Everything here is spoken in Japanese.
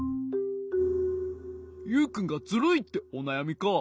ユウくんがズルいっておなやみか。